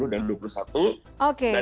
dan yang terakhir